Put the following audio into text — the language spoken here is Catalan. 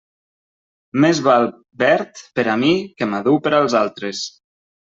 Més val verd per a mi que madur per als altres.